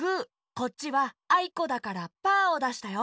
こっちは「あいこ」だからパーをだしたよ。